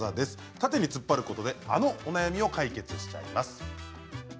縦に突っ張ることであのお悩みを解決しちゃいます。